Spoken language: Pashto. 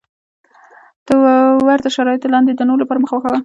تر ورته شرایطو لاندې یې د نورو لپاره مه خوښوه.